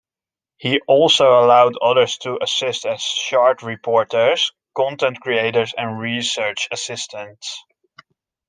He also allowed others to assist as "Shard Reporters", content creators and research assistants.